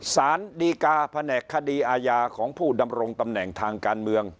สารดีกาแผนกคดีอาญาของผู้ดำรงตำแหน่งทางการเมือง